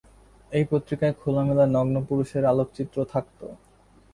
এই পত্রিকায় খোলামেলা নগ্ন পুরুষের আলোকচিত্র থাকত।